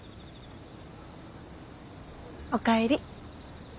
お帰り。